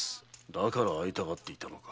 だから会いたがっていたのか。